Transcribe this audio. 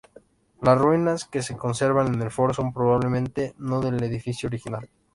Las ruinas que se conservan en el foro son probablemente no del edificio original.